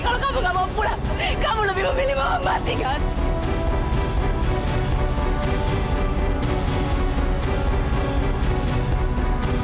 kalau kamu gak mau pulang kamu lebih memilih mau mati kan